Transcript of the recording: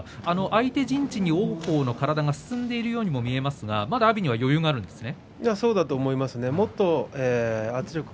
相手陣地に王鵬の体が進んでいるように見えますが、まだ阿炎には余裕があるんですね。